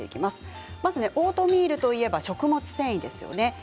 オートミールといえば食物繊維ですよね。